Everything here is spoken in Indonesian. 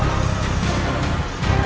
aku akan menangkapmu